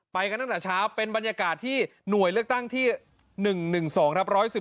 ไปกันตั้งแต่เช้าเป็นบรรยากาศที่หน่วยเลือกตั้งที่๑๑๒ครับ